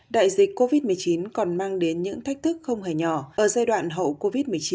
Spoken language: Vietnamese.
đại dịch covid một mươi chín còn mang đến những thách thức không hề nhỏ ở giai đoạn hậu covid một mươi chín